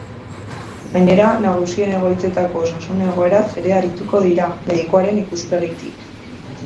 Gainera, nagusien egoitzetako osasun egoeraz ere arituko dira, medikuaren ikuspegitik.